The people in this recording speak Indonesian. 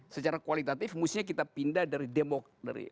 secara kualitatif musuhnya kita pindah dari